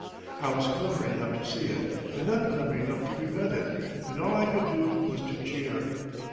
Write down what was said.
I was clever enough to see it, and not clever enough to prevent it, and all I could do was to jeer.